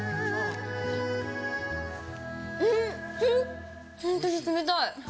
うん、本当に冷たい。